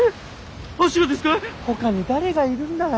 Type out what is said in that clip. ほかに誰がいるんだい！